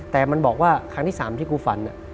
แต่มันบอกว่าครั้งที่๓ที่กูฝัน